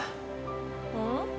うん？